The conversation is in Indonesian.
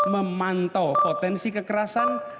memantau potensi kekerasan